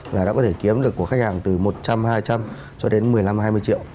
là đã có thể kiếm được của khách hàng từ một trăm linh hai trăm linh cho đến một mươi năm hai mươi triệu